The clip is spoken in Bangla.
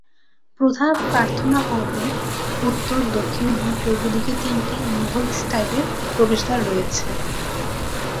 প্রধান প্রার্থনা হলের উত্তর, দক্ষিণ এবং পূর্ব দিকে তিনটি মুঘল স্টাইলের প্রবেশদ্বার রয়েছে।